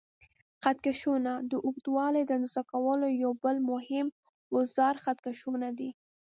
خط کشونه: د اوږدوالي د اندازه کولو یو بل مهم اوزار خط کشونه دي.